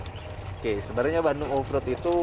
oke sebenarnya bandung offroad itu